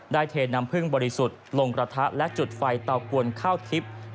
เทน้ำพึ่งบริสุทธิ์ลงกระทะและจุดไฟเตากวนข้าวทิพย์